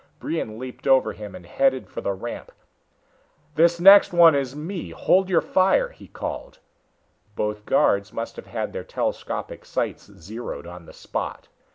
Brion leaped over him and headed for the ramp. "The next one is me hold your fire!" he called. Both guards must have had their telescopic sights zeroed on the spot.